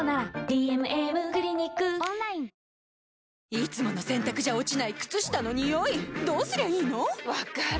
いつもの洗たくじゃ落ちない靴下のニオイどうすりゃいいの⁉分かる。